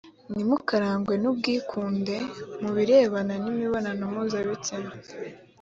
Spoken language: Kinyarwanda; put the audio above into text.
ntimukarangwe n ubwikunde mu birebana n imibonano mpuzabitsina